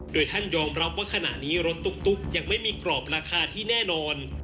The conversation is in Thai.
โดยท่านยอมรับว่าขณะนี้รถตุ๊กยังไม่มีกรอบราคาที่แน่นอน